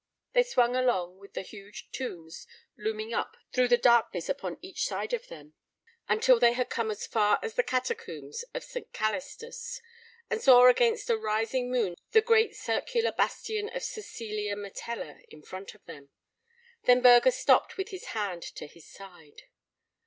They swung along, with the huge tombs looming up through the darkness upon each side of them, until they had come as far as the Catacombs of St. Calistus, and saw against a rising moon the great circular bastion of Cecilia Metella in front of them. Then Burger stopped with his hand to his side.